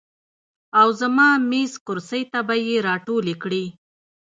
او زما میز، کرسۍ ته به ئې راټولې کړې ـ